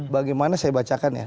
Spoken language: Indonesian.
bagaimana saya bacakan ya